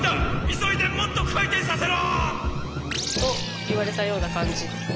急いでもっと回転させろ！と言われたような感じ。